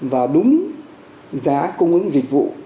và đúng giá cung ứng dịch vụ